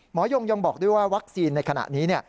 ยงยังบอกด้วยว่าวัคซีนในขณะนี้